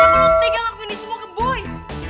kenapa lo tegang aku ini semua ke boy